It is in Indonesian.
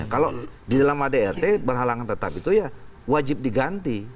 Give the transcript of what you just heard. kalau di dalam adrt berhalangan tetap itu ya wajib diganti